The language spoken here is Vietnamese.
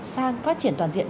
sang phát triển toàn diện